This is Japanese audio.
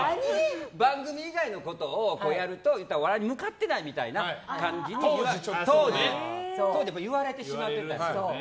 番組以外のことをやるとお笑いに向かってないみたいな感じに当時、言われてしまってたんです。